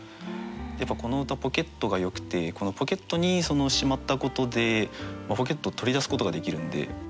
やっぱこの歌「ポケット」がよくてこのポケットにしまったことでポケット取り出すことができるんで。